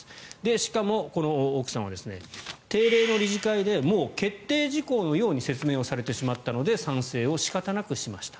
しかも、この奥さんは定例の理事会でもう決定事項のように説明をされてしまったので賛成を仕方なくしました。